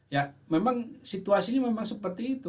ya memang situasinya memang seperti itu